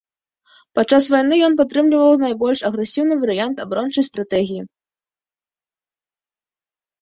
Падчас вайны ён падтрымліваў найбольш агрэсіўны варыянт абарончай стратэгіі.